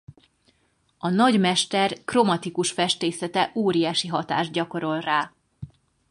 A nagy mester kromatikus festészete óriási hatást gyakorol rá.